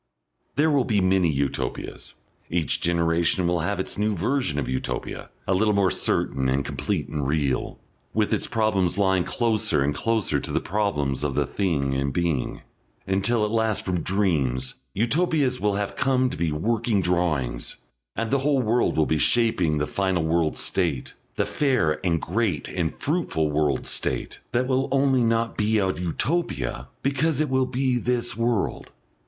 There will be many Utopias. Each generation will have its new version of Utopia, a little more certain and complete and real, with its problems lying closer and closer to the problems of the Thing in Being. Until at last from dreams Utopias will have come to be working drawings, and the whole world will be shaping the final World State, the fair and great and fruitful World State, that will only not be a Utopia because it will be this world.